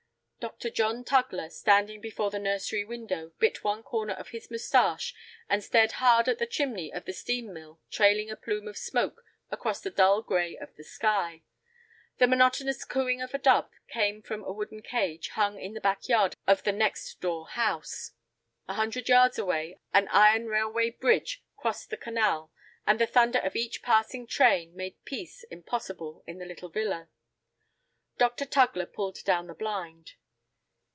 Dr. John Tugler, standing before the nursery window, bit one corner of his mustache, and stared hard at the chimney of the steam mill trailing a plume of smoke across the dull gray of the sky. The monotonous cooing of a dove came from a wooden cage hung in the back yard of the next door house. A hundred yards away an iron railway bridge crossed the canal, and the thunder of each passing train made peace impossible in the little villa. Dr. Tugler pulled down the blind.